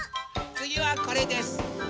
つぎはこれです！